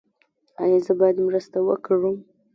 ایا زه باید مرسته وکړم؟